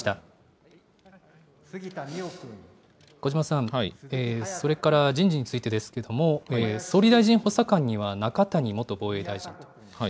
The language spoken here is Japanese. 小嶋さん、それから人事についてですけども、総理大臣補佐官には、中谷元防衛大臣。